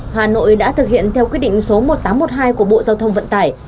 hà nội đã thực hiện theo quyết định số một nghìn tám trăm một mươi hai của bộ giao thông vận tải